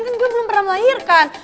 mungkin gue belum pernah melahirkan